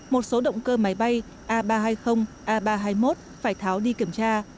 một số động cơ máy bay a ba trăm hai mươi a ba trăm hai mươi một phải tháo đi kiểm tra